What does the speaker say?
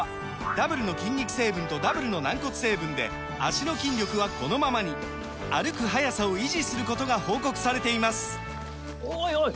ダブルの筋肉成分とダブルの軟骨成分で脚の筋力はこのままに歩く速さを維持することが報告されていますおいおい！